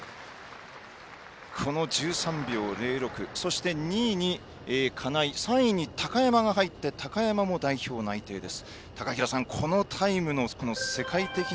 １３秒０６２位に金井、３位に高山が入って高山も内定です。